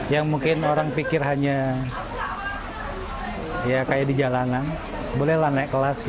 yang mungkin orang pikir hanya di jalanan bolehlah naik kelas